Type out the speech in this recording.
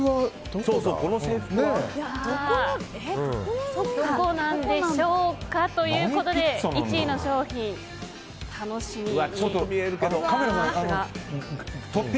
どこなんでしょうかということで１位の商品、お楽しみに。